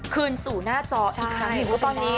คืนสู่หน้าจออีกครั้งหนึ่งตอนนี้